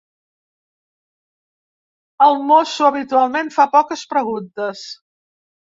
El mosso habitualment fa poques preguntes.